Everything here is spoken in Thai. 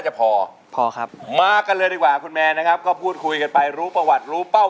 มวลใหม่ดูสิว่าจะเป็นหนังชีวิตอีกหรือเปล่า